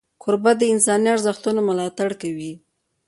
کوربه د انساني ارزښتونو ملاتړ کوي.